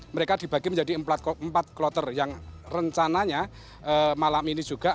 mereka dibagi menjadi empat kloter yang rencananya malam ini juga